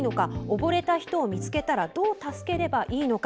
溺れた人を見つけたときにどう助けたらいいのか。